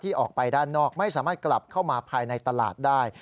ออกไปด้านนอกไม่สามารถกลับเข้ามาภายในตลาดได้